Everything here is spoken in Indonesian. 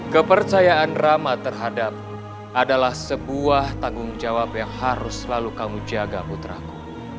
kepercayaan rama terhadapmu adalah sebuah tanggung jawab yang harus selalu kamu jaga putraku